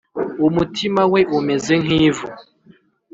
Umutima we umeze nk’ivu,